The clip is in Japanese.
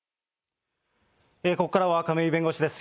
ここからは亀井弁護士です。